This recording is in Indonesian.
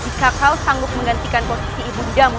jika kau sanggup menggantikan posisi ibu idam